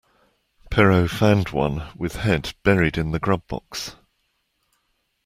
Perrault found one with head buried in the grub box.